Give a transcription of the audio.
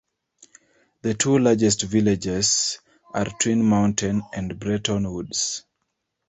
The two largest villages are Twin Mountain and Bretton Woods.